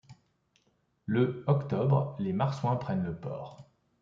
Le octobre, les marsouins prennent le port.